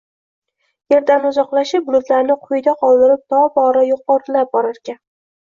Yerdan uzoqlashib, bulutlarni quyida qoldirib tobora yuqorilab borarkan